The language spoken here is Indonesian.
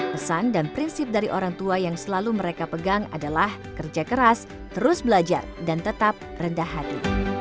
pesan dan prinsip dari orang tua yang selalu mereka pegang adalah kerja keras terus belajar dan tetap rendah hati